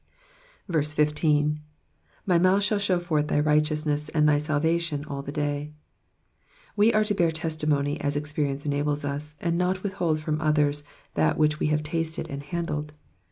15. *'i/y mouth nhaU hhevo forth thy righteotunet» and thy saltation aU the day,"*^ We are to bear testimony as experience enables us, and not withhold from others that which we have tasted and hsndled.